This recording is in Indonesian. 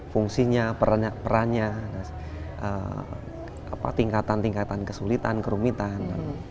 fungsinya perannya tingkatan tingkatan kesulitan kerumitan